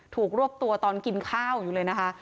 รวบตัวตอนกินข้าวอยู่เลยนะคะ